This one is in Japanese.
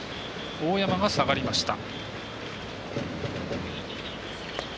大山が下がりました。